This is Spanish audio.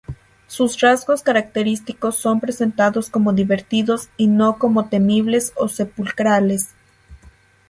Sus rasgos característicos son presentados como divertidos y no como temibles o sepulcrales.